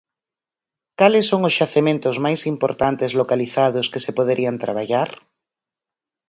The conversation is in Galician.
Cales son os xacementos máis importantes localizados que se poderían traballar?